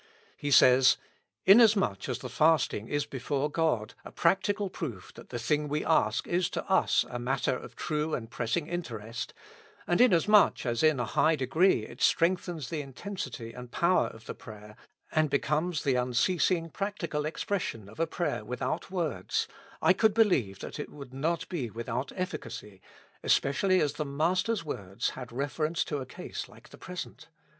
He says, "Inasmuch as the fasting is before God, a practical proof that the thing we ask is to us a matter of true and pressing in terest, and inasmuch as in a high degree it strengthens the intensity and power of the prayer, and becomes the unceasing practical expression of a prayer with out words, I could believe that it would not be without efficacy, especially as the Master's words had reference to a case like the present.